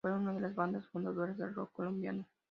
Fueron una de las bandas fundadoras del rock colombiano.